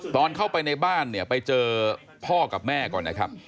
ตอนเข้าไปในบ้านเนี่ยไปเจอพ่อกับแม่ก่อนนะครับ